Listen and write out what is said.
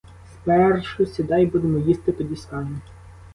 Спершу сідай, будемо їсти, тоді скажу.